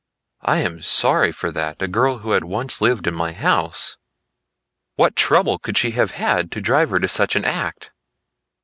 I am sorry for that, a girl who had once lived in my house. What trouble could she have had to drive her to such an act?"